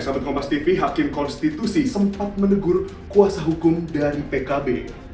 sahabat kompas tv hakim konstitusi sempat menegur kuasa hukum dari pkb